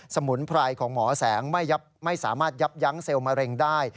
มุนไพรของหมอแสงไม่สามารถยับยั้งเซลล์มะเร็งได้